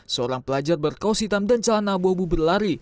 seorang pelajar berkaus hitam dan calon abu abu berlari